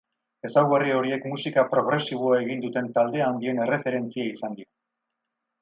Ezaugarri horiek musika progresiboa egin duten talde handien erreferentzia izan dira.